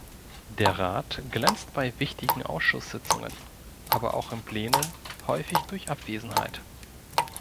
Der Rat glänzt bei wichtigen Ausschusssitzungen, aber auch im Plenum, häufig durch Abwesenheit.